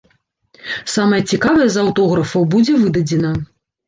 Самае цікавае з аўтографаў будзе выдадзена.